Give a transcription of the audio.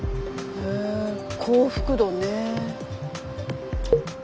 へえ幸福度ね。